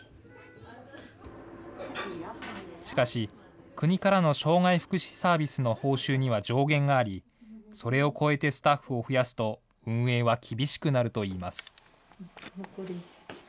しかし、国からの障害福祉サービスの報酬には上限があり、それを超えてスタッフを増やすと運営は厳しくなるといいます。